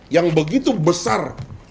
yang begitu besar